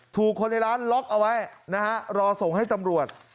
ถูกคนในร้านล็อกเอาไว้นะฮะรอส่งให้ตำรวจ